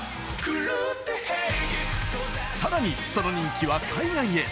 さらに、その人気は海外へ。